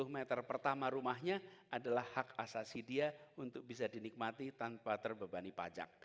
sepuluh meter pertama rumahnya adalah hak asasi dia untuk bisa dinikmati tanpa terbebani pajak